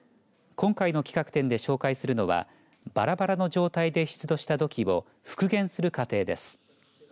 今回の企画展で紹介するのはバラバラの状態で出土した土器を復元する過程です。